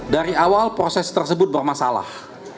dari awal proses tersebut bermasalah